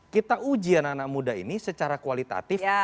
kita ujian anak anak muda ini secara kualitatif